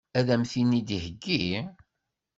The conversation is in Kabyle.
Ad m-tent-id-iheggi?